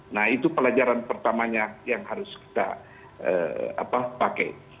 nah itu pelajaran pertamanya yang harus kita pakai